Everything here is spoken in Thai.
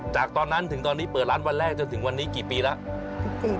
จากตอนนั้นถึงตอนนี้เปิดร้านวันแรกจนถึงวันนี้กี่ปีแล้ว